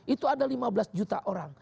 itu ada lima belas juta orang